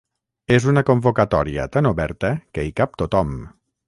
És una convocatòria tan oberta que hi cap tothom.